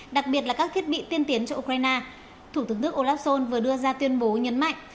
đặc biệt là các thiết bị tiên tiến cho ukraine thủ tướng đức olaf schol vừa đưa ra tuyên bố nhấn mạnh